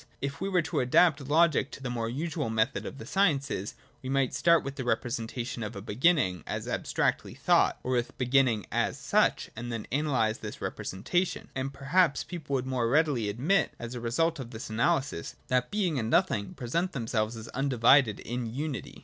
— If we were to adapt logic to the more usual method of the sciences, we might start with the representation of a Beginning as abstractly thought, or with Beginning as such, and then analyse this repre sentation ; and perhaps people would more readily admit, as a result of this analysis, that Being and Nothing present themselves as undivided in unity.